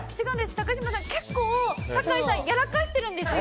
高嶋さん、結構酒井さんやらかしてるんですよ！